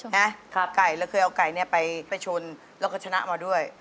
ชอบไก่ครับแล้วเคยเอาไก่ไปชนแล้วก็ชนะมาด้วย